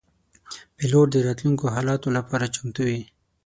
پیلوټ د راتلونکو حالاتو لپاره چمتو وي.